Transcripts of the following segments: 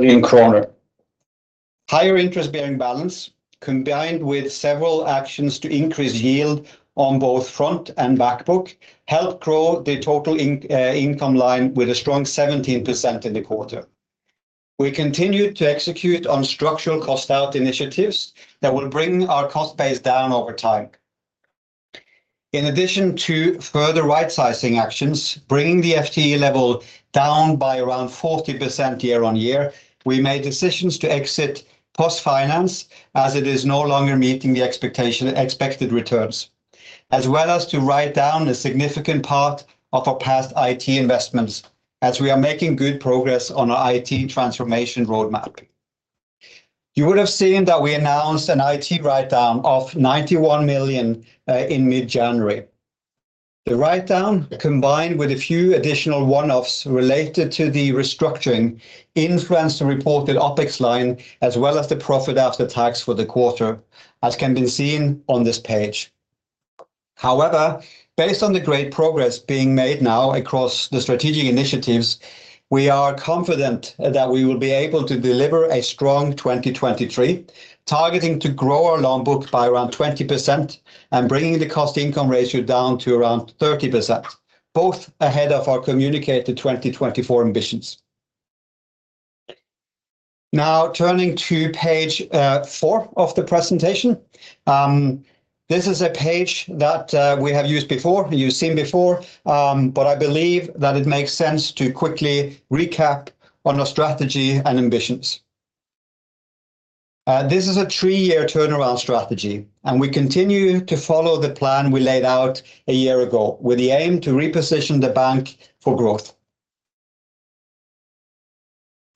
Million kroner. Higher interest bearing balance combined with several actions to increase yield on both front and back book helped grow the total income line with a strong 17% in the quarter. We continued to execute on structural cost out initiatives that will bring our cost base down over time. In addition to further right sizing actions, bringing the FTE level down by around 40% year-on-year, we made decisions to exit POS Finance as it is no longer meeting the expected returns. As well as to write-down a significant part of our past IT investments as we are making good progress on our IT transformation roadmap. You would have seen that we announced an IT write-down of 91 million in mid-January. The write-down combined with a few additional one-offs related to the restructuring influenced the reported OpEx line as well as the profit after tax for the quarter as can be seen on this page. However, based on the great progress being made now across the strategic initiatives, we are confident that we will be able to deliver a strong 2023, targeting to grow our loan book by around 20% and bringing the cost income ratio down to around 30%, both ahead of our communicated 2024 ambitions. Now, turning to page four of the presentation. This is a page that we have used before, you've seen before, but I believe that it makes sense to quickly recap on our strategy and ambitions. This is a three-year turnaround strategy, and we continue to follow the plan we laid out a year ago with the aim to reposition the bank for growth.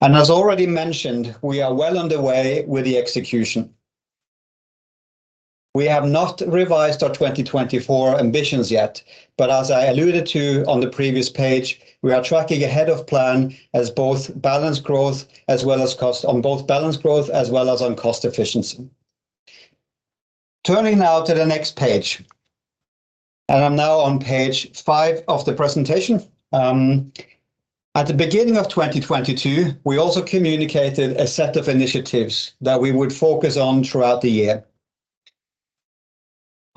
As already mentioned, we are well underway with the execution. We have not revised our 2024 ambitions yet, but as I alluded to on the previous page, we are tracking ahead of plan as both balance growth as well as on cost efficiency. Turning now to the next page, and I'm now on page five of the presentation. At the beginning of 2022, we also communicated a set of initiatives that we would focus on throughout the year.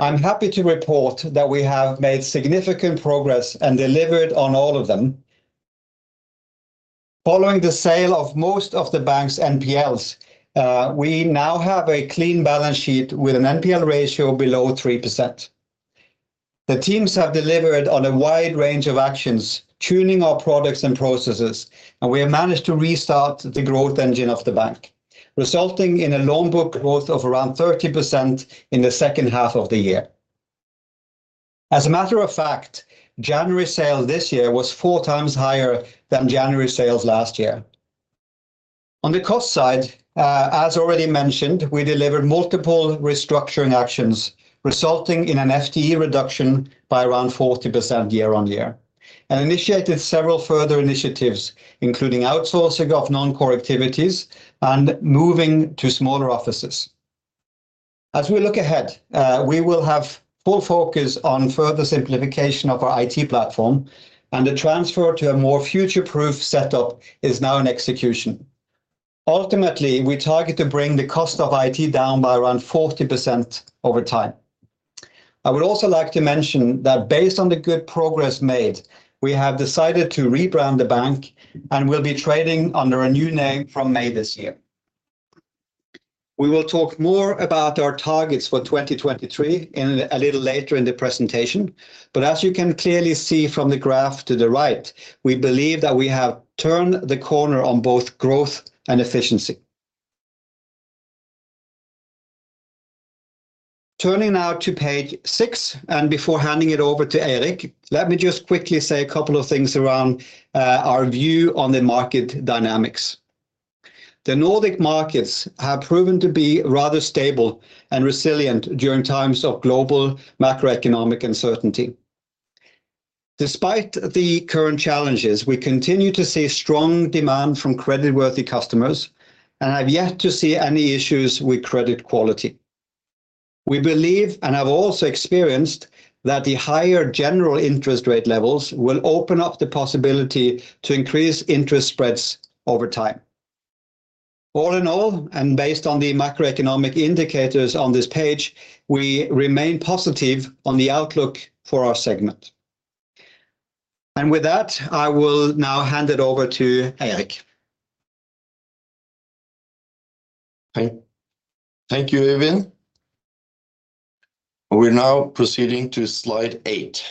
I'm happy to report that we have made significant progress and delivered on all of them. Following the sale of most of the bank's NPLs, we now have a clean balance sheet with an NPL ratio below 3%. The teams have delivered on a wide range of actions, tuning our products and processes, and we have managed to restart the growth engine of the bank, resulting in a loan book growth of around 30% in the second half of the year. As a matter of fact, January sale this year was four times higher than January sales last year. On the cost side, as already mentioned, we delivered multiple restructuring actions resulting in an FTE reduction by around 40% year-on-year, and initiated several further initiatives, including outsourcing of non-core activities and moving to smaller offices. As we look ahead, we will have full focus on further simplification of our IT platform, and the transfer to a more future-proof setup is now in execution. Ultimately, we target to bring the cost of IT down by around 40% over time. I would also like to mention that based on the good progress made, we have decided to rebrand the bank and will be trading under a new name from May this year. We will talk more about our targets for 2023 in a little later in the presentation, but as you can clearly see from the graph to the right, we believe that we have turned the corner on both growth and efficiency. Turning now to page six, and before handing it over to Eirik, let me just quickly say a couple of things around our view on the market dynamics. The Nordic markets have proven to be rather stable and resilient during times of global macroeconomic uncertainty. Despite the current challenges, we continue to see strong demand from creditworthy customers and have yet to see any issues with credit quality. We believe, and have also experienced, that the higher general interest rate levels will open up the possibility to increase interest spreads over time. All in all, based on the macroeconomic indicators on this page, we remain positive on the outlook for our segment. And with that, I will now hand it over to Eirik. Thank you, Øyvind. We're now proceeding to slide eight.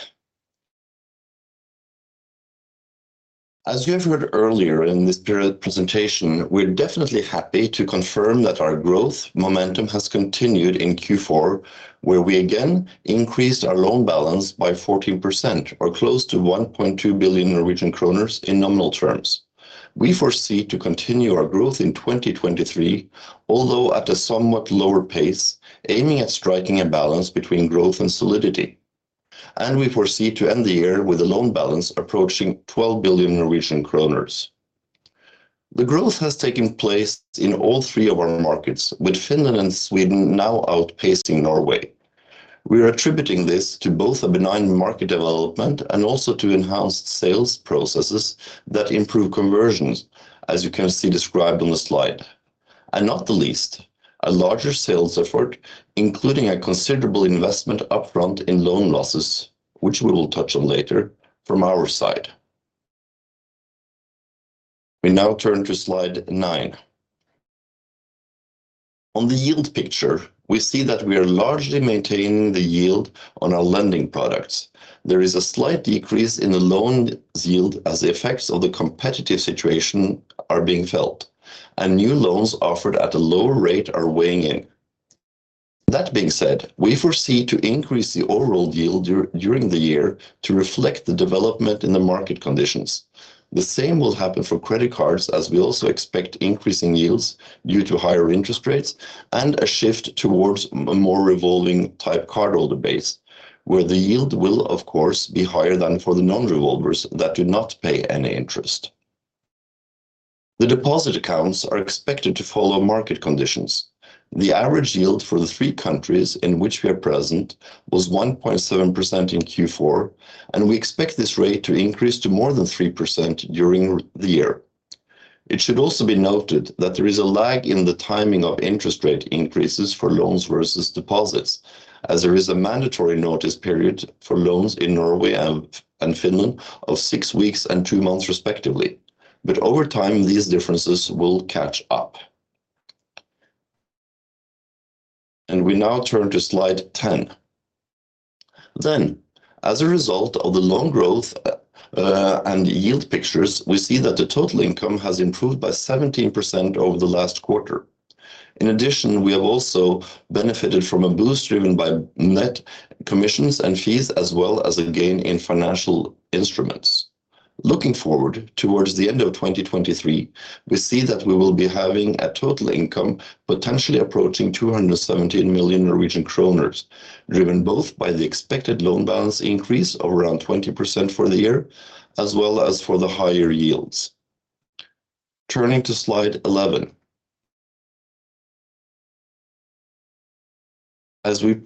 As you have heard earlier in this period presentation, we're definitely happy to confirm that our growth momentum has continued in Q4, where we again increased our loan balance by 14% or close to 1.2 billion Norwegian kroner in nominal terms. We foresee to continue our growth in 2023, although at a somewhat lower pace, aiming at striking a balance between growth and solidity. And we foresee to end the year with a loan balance approaching 12 billion Norwegian kroner. The growth has taken place in all three of our markets, with Finland and Sweden now outpacing Norway. We are attributing this to both a benign market development and also to enhanced sales processes that improve conversions, as you can see described on the slide. And not the least, a larger sales effort, including a considerable investment up front in loan losses, which we will touch on later from our side. We now turn to slide nine. On the yield picture, we see that we are largely maintaining the yield on our lending products. There is a slight decrease in the loan's yield as the effects of the competitive situation are being felt, and new loans offered at a lower rate are weighing in. That being said, we foresee to increase the overall yield during the year to reflect the development in the market conditions. The same will happen for credit cards, as we also expect increasing yields due to higher interest rates and a shift towards a more revolving type cardholder base, where the yield will, of course, be higher than for the non-revolvers that do not pay any interest. The deposit accounts are expected to follow market conditions. The average yield for the three countries in which we are present was 1.7% in Q4, and we expect this rate to increase to more than 3% during the year. It should also be noted that there is a lag in the timing of interest rate increases for loans versus deposits, as there is a mandatory notice period for loans in Norway and Finland of six weeks and two months, respectively. But, over time, these differences will catch up. We now turn to slide 10. Then, as a result of the loan growth, and yield pictures, we see that the total income has improved by 17% over the last quarter. In addition, we have also benefited from a boost driven by net commissions and fees, as well as a gain in financial instruments. Looking forward towards the end of 2023, we see that we will be having a total income potentially approaching 217 million Norwegian kroner, driven both by the expected loan balance increase of around 20% for the year as well as for the higher yields. Turning to slide 11. As we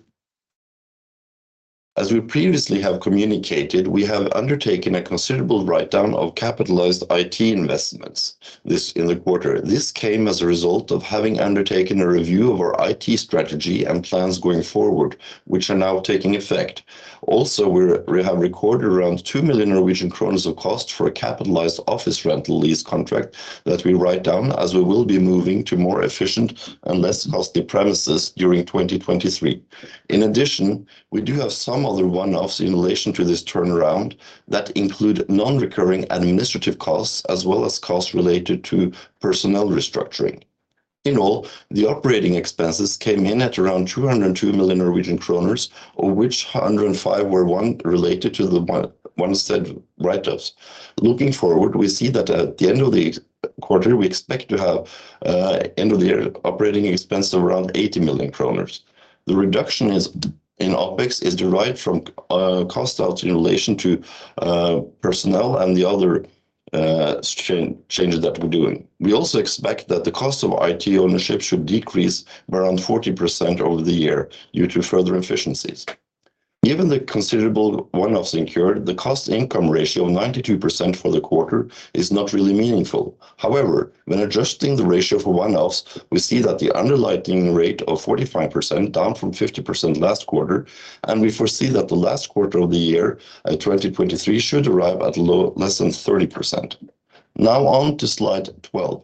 previously have communicated, we have undertaken a considerable write-down of capitalized IT investments in the quarter. This came as a result of having undertaken a review of our IT strategy and plans going forward, which are now taking effect. We have recorded around 2 million of cost for a capitalized office rental lease contract that we write-down as we will be moving to more efficient and less costly premises during 2023. In addition, we do have some other one-offs in relation to this turnaround that include non-recurring administrative costs as well as costs related to personnel restructuring. In all, the operating expenses came in at around 202 million Norwegian kroner, of which 105 were one related to the one-off write-offs. Looking forward, we see that at the end of the quarter, we expect to have end of the year operating expense of around 80 million kroner. The reduction in OpEx is derived from cost out in relation to personnel and the other changes that we're doing. We also expect that the cost of IT ownership should decrease by around 40% over the year due to further efficiencies. Given the considerable one-off secured, the cost income ratio of 92% for the quarter is not really meaningful. However, when adjusting the ratio for one-offs, we see that the underlying rate of 45%, down from 50% last quarter, and we foresee that the last quarter of the year, 2023 should arrive at less than 30%. Now on to slide 12.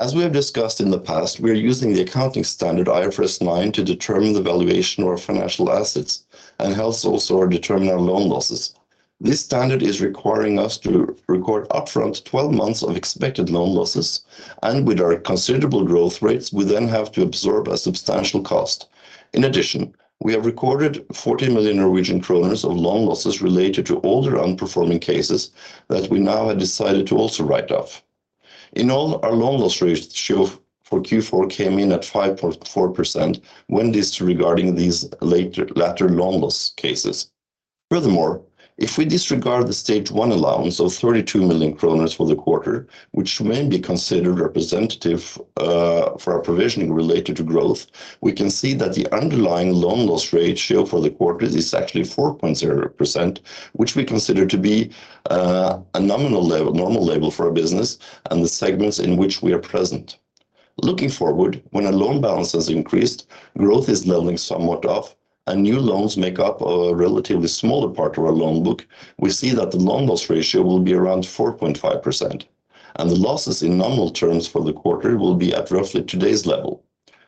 As we have discussed in the past, we are using the accounting standard IFRS 9 to determine the valuation of our financial assets and hence also determine our loan losses. This standard is requiring us to record upfront 12 months of expected loan losses, and with our considerable growth rates, we then have to absorb a substantial cost. In addition, we have recorded 40 million Norwegian kroner of loan losses related to older underperforming cases that we now have decided to also write-off. In all, our loan loss ratio for Q4 came in at 5.4% when disregarding these latter loan loss cases. Furthermore, if we disregard the Stage one allowance of 32 million kroner for the quarter, which may be considered representative for our provisioning related to growth, we can see that the underlying loan loss ratio for the quarter is actually 4.0%, which we consider to be a normal level for our business and the segments in which we are present. Looking forward, when our loan balance has increased, growth is leveling somewhat off, and new loans make up a relatively smaller part of our loan book, we see that the loan loss ratio will be around 4.5%, and the losses in nominal terms for the quarter will be at roughly today's level.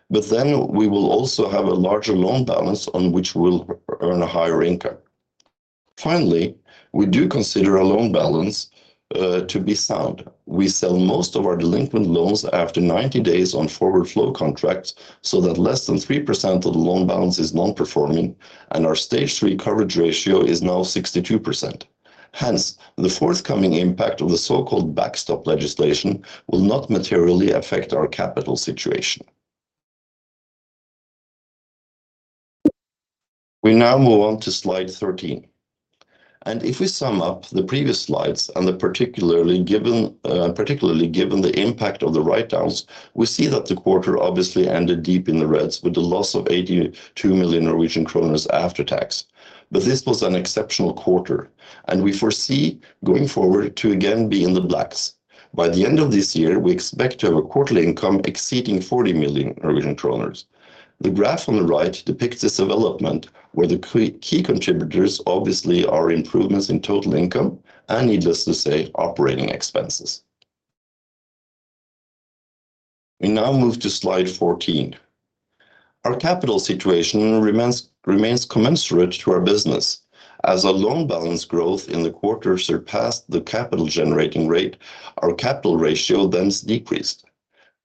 But then, we will also have a larger loan balance on which we'll earn a higher income. Finally, we do consider our loan balance to be sound. We sell most of our delinquent loans after 90 days on forward flow contracts so that less than 3% of the loan balance is non-performing, and our Stage three coverage ratio is now 62%. Hence, the forthcoming impact of the so-called backstop legislation will not materially affect our capital situation. We now move on to slide 13. If we sum up the previous slides, and particularly given, particularly given the impact of the write-downs, we see that the quarter obviously ended deep in the reds with a loss of 82 million Norwegian kroner after tax. This was an exceptional quarter, and we foresee going forward to again be in the blacks. By the end of this year, we expect to have a quarterly income exceeding 40 million Norwegian kroner. The graph on the right depicts this development, where the key contributors obviously are improvements in total income and, needless to say, operating expenses. We now move to slide 14. Our capital situation remains commensurate to our business. As our loan balance growth in the quarter surpassed the capital generating rate, our capital ratio then decreased.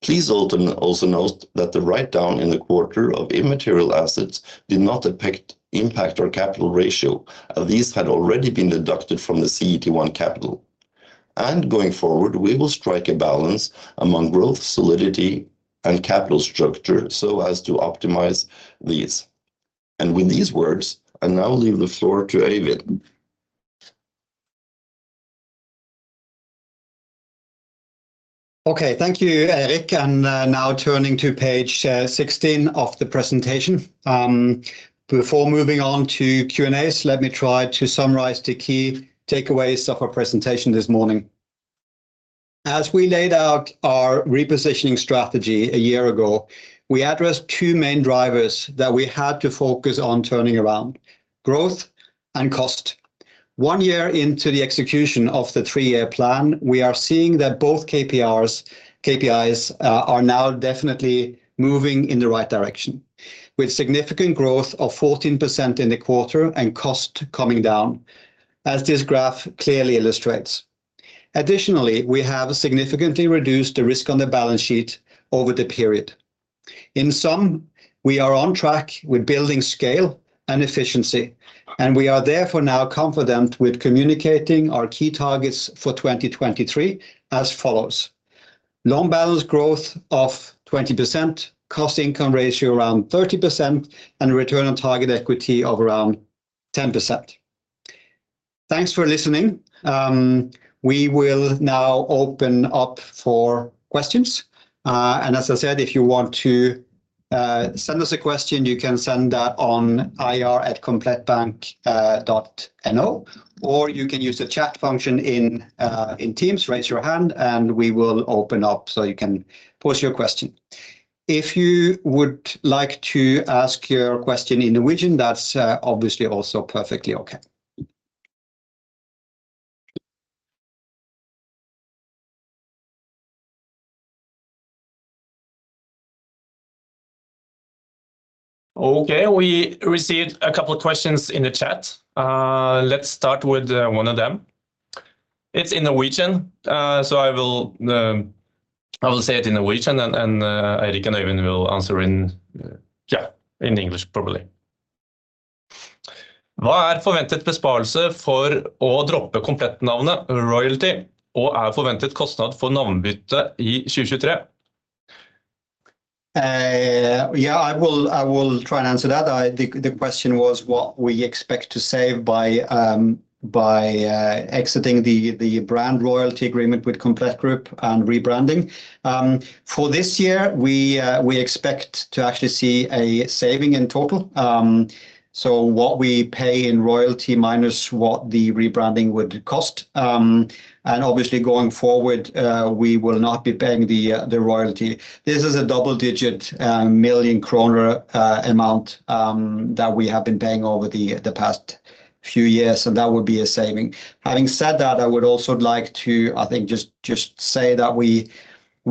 Please also note that the impact in the quarter of immaterial assets did not impact our capital ratio, as these had already been deducted from the CET1 capital. Going forward, we will strike a balance among growth, solidity and capital structure so as to optimize these. With these words, I now leave the floor to Øyvind. Okay, thank you, Eirik. I'm now turning to page 16 of the presentation. Before moving on to Q&As, let me try to summarize the key takeaways of our presentation this morning. As we laid out our repositioning strategy a year ago, we addressed two main drivers that we had to focus on turning around: growth and cost. One year into the execution of the three-year plan, we are seeing that both KPIs are now definitely moving in the right direction, with significant growth of 14% in the quarter and cost coming down, as this graph clearly illustrates. Additionally, we have significantly reduced the risk on the balance sheet over the period. In sum, we are on track with building scale and efficiency, we are therefore now confident with communicating our key targets for 2023 as follows. Loan balance growth of 20%, cost-income ratio around 30%, and return on target equity of around 10%. Thanks for listening. We will now open up for questions. As I said, if you want to send us a question, you can send that on ir@komplettbank.no, or you can use the chat function in Teams, raise your hand, and we will open up so you can pose your question. If you would like to ask your question in Norwegian, that's obviously also perfectly okay. Okay, we received a couple of questions in the chat. Let's start with one of them. It's in Norwegian. I will say it in Norwegian and Eirik and Øyvind will answer in English, probably. [unintelligible] What are forventet besparelse for å droppe Komplett navnet royalty, og er forventet kostnad for navnebytte i 2023? Yeah, I will try and answer that. The question was what we expect to save by exiting the brand royalty agreement with Komplett Group and rebranding. For this year, we expect to actually see a saving in total. So what we pay in royalty minus what the rebranding would cost. Obviously, going forward, we will not be paying the royalty. This is a double-digit million kroner amount that we have been paying over the past few years, so that would be a saving. Having said that, I would also like to, I think, just say that we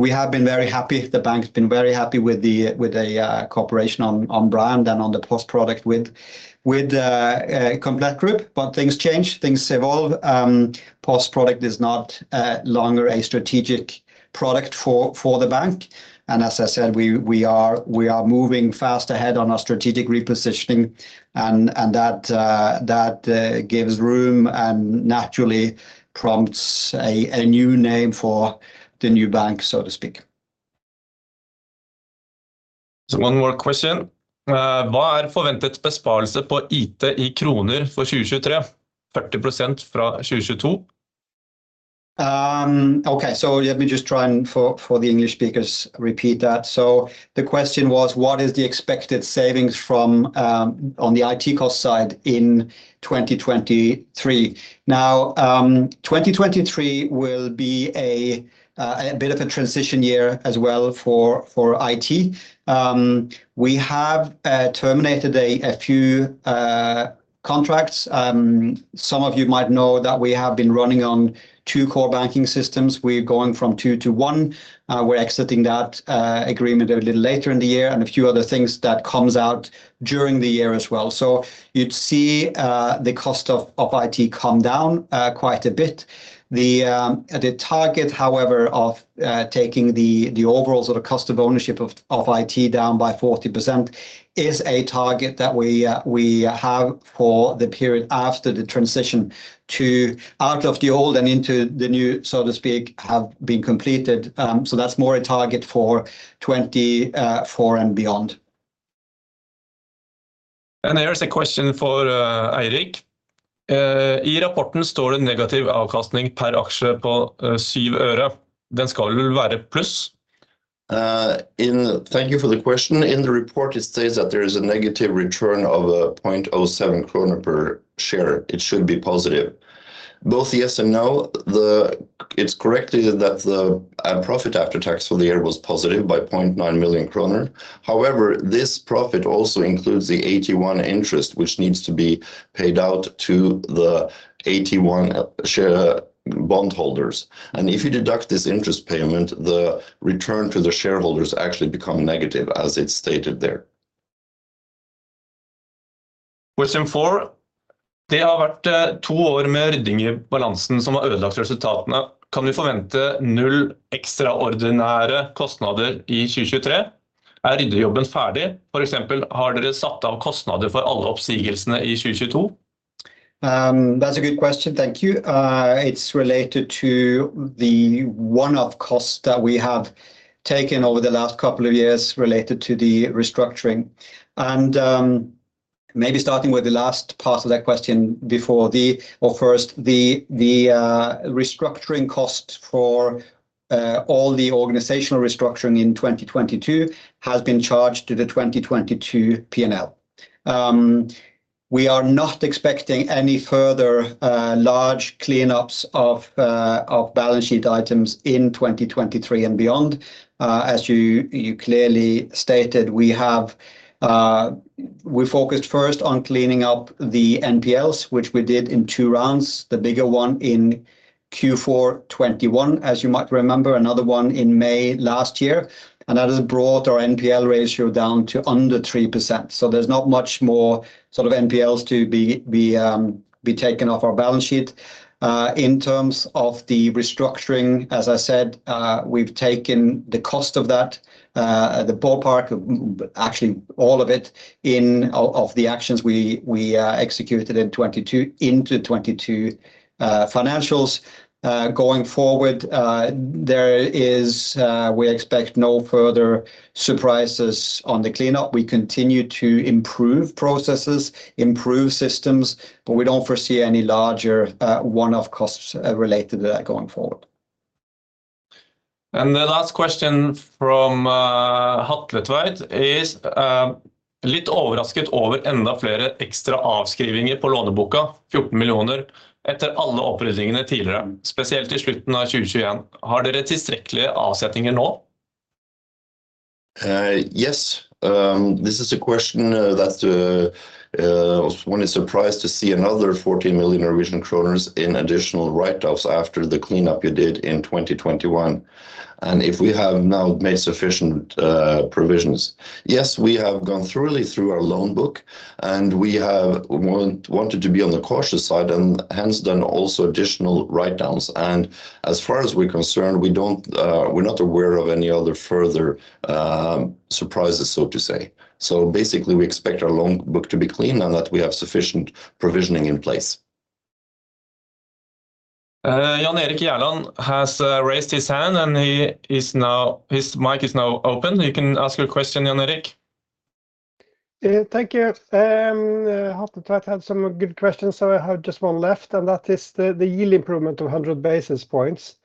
have been very happy, the bank's been very happy with the cooperation on brand and on the POS product with Komplett Group. But things change, things evolve. POS product is not longer a strategic product for the bank. As I said, we are moving fast ahead on our strategic repositioning and that gives room and naturally prompts a new name for the new bank, so to speak. One more question. hva er forventet besparelse på IT i NOK for 2023? 40% fra 2022. Okay. Let me just try and for the English speakers repeat that. The question was what is the expected savings from on the IT cost side in 2023. 2023 will be a bit of a transition year as well for IT. We have terminated a few contracts. Some of you might know that we have been running on two core banking systems. We're going from two to one. We're exiting that agreement a little later in the year and a few other things that comes out during the year as well. So, you'd see the cost of IT come down quite a bit. The target, however, of taking the overall sort of cost of ownership of IT down by 40% is a target that we have for the period after the transition to out of the old and into the new, so to speak, have been completed. That's more a target for 2024 and beyond. And here's a question for Eirik. In rapporten står det negativ avkastning per aksje på 0.07. Den skal vel være pluss? Thank you for the question. In the report it states that there is a negative return of 0.07 krone per share. It should be positive. Both yes and no. It's correctly that the profit after tax for the year was positive by 0.9 million kroner. However, this profit also includes the AT1 interest, which needs to be paid out to the AT1 share bondholders. If you deduct this interest payment, the return to the shareholders actually become negative as it's stated there. Question four. Det har vært to år med rydding i balansen som har ødelagt resultatene. Kan vi forvente 0 NOK ekstraordinære kostnader i 2023? Er ryddejobben ferdig? For eksempel, har dere satt av kostnader for alle oppsigelsene i 2022? That's a good question. Thank you. It's related to the one-off cost that we have taken over the last couple of years related to the restructuring. Maybe starting with the last part of that question before the or first the restructuring cost for all the organizational restructuring in 2022 has been charged to the 2022 P&L. We are not expecting any further large cleanups of balance sheet items in 2023 and beyond. As you clearly stated, we have, we focused first on cleaning up the NPLs, which we did in 2 rounds, the bigger one in Q4 2021, as you might remember, another one in May last year. That has brought our NPL ratio down to under 3%. There's not much more sort of NPLs to be taken off our balance sheet. In terms of the restructuring, as I said, we've taken the cost of that, the ballpark of actually all of it in of the actions we executed in 2022 into 2022 financials. Going forward, there is, we expect no further surprises on the cleanup. We continue to improve processes, improve systems, we don't foresee any larger one-off costs related to that going forward. The last question from Hatletveit is litt overrasket over enda flere ekstra avskrivninger på låneboken, NOK 14 million etter alle oppryddingene tidligere, spesielt i slutten av 2021. Har dere tilstrekkelige avsetninger nå? Yes. This is a question that one is surprised to see another 14 million Norwegian kroner in additional write-offs after the cleanup you did in 2021, and if we have now made sufficient provisions? Yes, we have gone thoroughly through our loan book, and we have wanted to be on the cautious side and hence done also additional write-downs. As far as we're concerned, we don't, we're not aware of any other further surprises, so to say. Basically we expect our loan book to be clean and that we have sufficient provisioning in place. Jan-Erik Gjerland has raised his hand and his mic is now open. You can ask your question, Jan-Erik. Thank you. Holtedahl had some good questions, so I have just one left and that is the yield improvement of 100 basis points.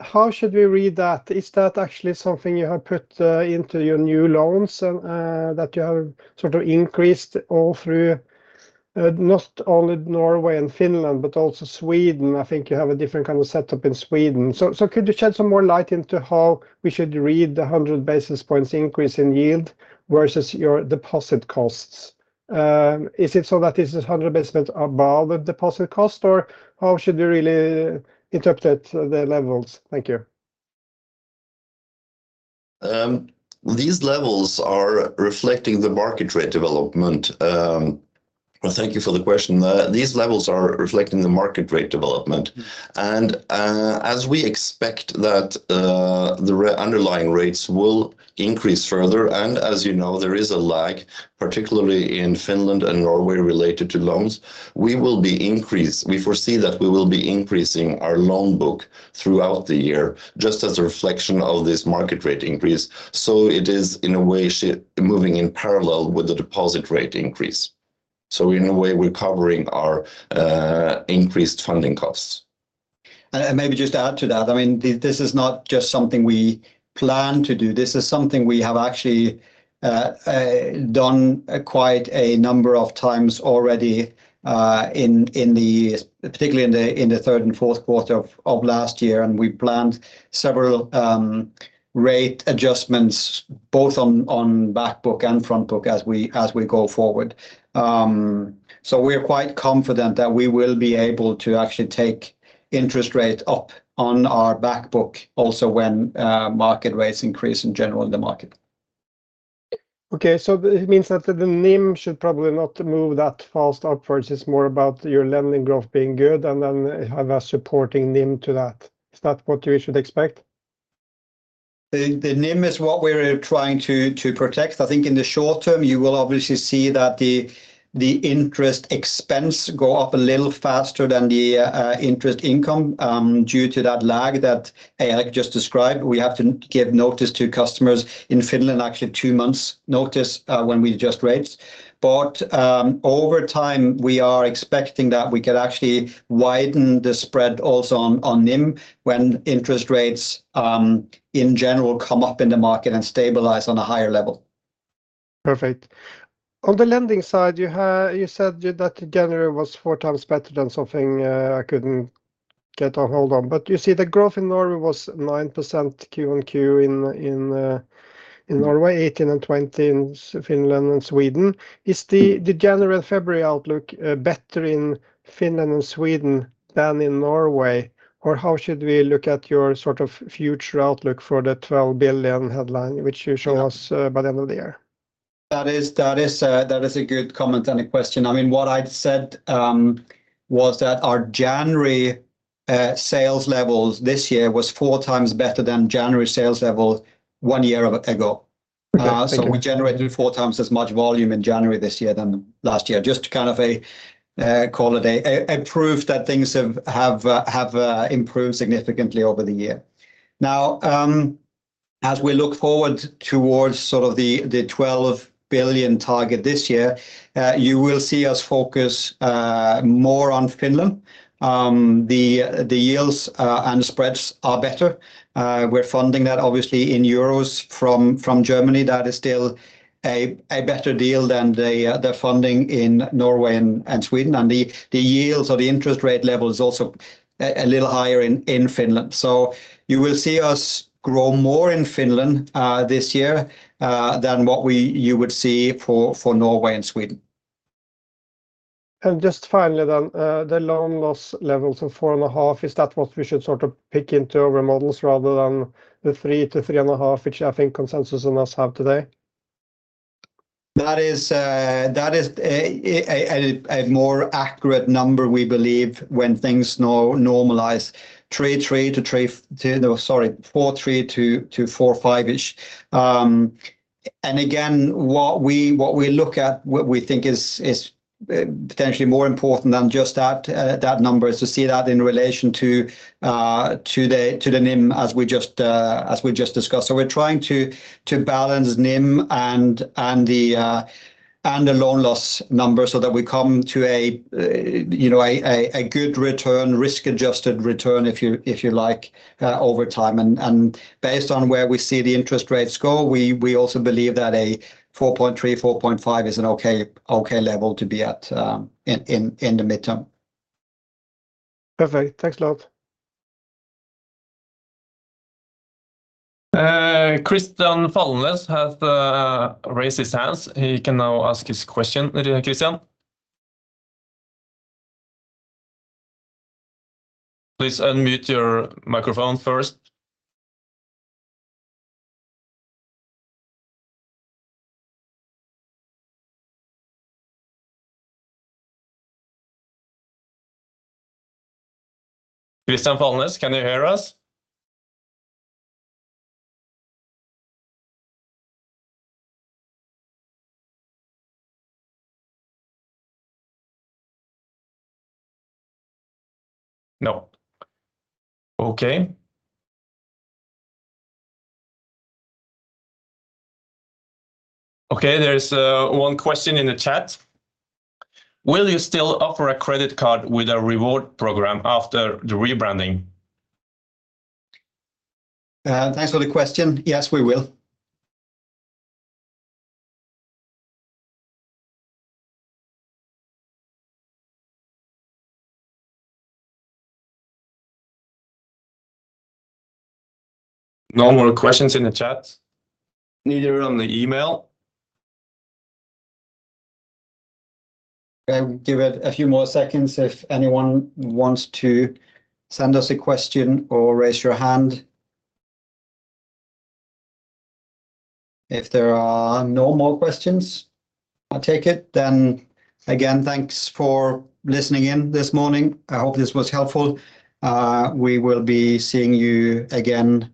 How should we read that? Is that actually something you have put into your new loans and that you have sort of increased all through not only Norway and Finland, but also Sweden? I think you have a different kind of setup in Sweden. So, could you shed some more light into how we should read the 100 basis points increase in yield versus your deposit costs? Is it so that this is 100 basis points above the deposit cost or how should we really interpret the levels? Thank you. These levels are reflecting the market rate development. But thank you for the question. These levels are reflecting the market rate development. And as we expect that the underlying rates will increase further and as you know, there is a lag, particularly in Finland and Norway related to loans, we will be increase, we foresee that we will be increasing our loan book throughout the year just as a reflection of this market rate increase. So it is in a way moving in parallel with the deposit rate increase. So in a way we're covering our increased funding costs. Maybe just add to that, I mean, this is not just something we plan to do. This is something we have actually done quite a number of times already in the, particularly in the third and fourth quarter of last year and we planned several rate adjustments both on back book and front book as we go forward. So we're quite confident that we will be able to actually take interest rate up on our back book also when market rates increase in general in the market. Okay, it means that the NIM should probably not move that fast upwards. It's more about your lending growth being good and then have a supporting NIM to that. Is that what we should expect? The NIM is what we're trying to protect. I think in the short term, you will obviously see that the interest expense go up a little faster than the interest income, due to that lag that Eirik just described. We have to give notice to customers in Finland, actually two months notice, when we adjust rates. But over time, we are expecting that we could actually widen the spread also on NIM when interest rates in general come up in the market and stabilize on a higher level. Perfect. On the lending side, you said that January was four times better than something, I couldn't get a hold on. You see the growth in Norway was 9% Q on Q in Norway, 18% and 20% in Finland and Sweden. Is the January and February outlook, better in Finland and Sweden than in Norway? Or how should we look at your sort of future outlook for the 12 billion headline, which you show us, by the end of the year? That is a good comment and a question. I mean, what I said, was that our January sales levels this year was four times better than January sales levels one year ago. Okay. We generated four times as much volume in January this year than last year, just to kind of call it a proof that things have improved significantly over the year. Now, as we look forward towards sort of the 12 billion target this year, you will see us focus more on Finland. The yields and spreads are better. We're funding that obviously in euros from Germany. That is still a better deal than the funding in Norway and Sweden. The yields or the interest rate level is also a little higher in Finland. So, you will see us grow more in Finland this year than what you would see for Norway and Sweden. And just finally then, the loan loss levels of four and a half, is that what we should sort of pick into our models rather than the three to three and a half, which I think consensus on us have today? That is a more accurate number we believe when things normalize 3.3 to 3, no sorry, 4.3 to 4.5-ish. And again, what we look at, what we think is potentially more important than just that number, is to see that in relation to the NIM as we just discussed. We're trying to balance NIM and the loan loss number so that we come to you know, a good return, risk-adjusted return, if you like, over time. Based on where we see the interest rates go, we also believe that a 4.3, 4.5 is an okay level to be at in the midterm. Perfect. Thanks a lot. Christian Falnes has raised his hands. He can now ask his question. Christian. Please unmute your microphone first. Christian Falnes, can you hear us? No. Okay. There is one question in the chat. Will you still offer a credit card with a reward program after the rebranding? Thanks for the question. Yes, we will. No more questions in the chat. Neither on the email. I will give it a few more seconds if anyone wants to send us a question or raise your hand. If there are no more questions, I'll take it. Again, thanks for listening in this morning. I hope this was helpful. We will be seeing you again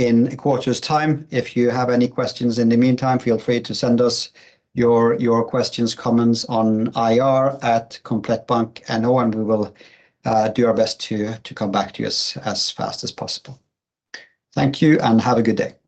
in a quarter's time. If you have any questions in the meantime, feel free to send us your questions, comments on ir@komplettbank.no, and we will do our best to come back to you as fast as possible. Thank you, and have a good day.